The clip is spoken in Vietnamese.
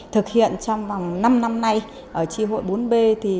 thực hiện trong vòng năm năm nay ở tri hội bốn b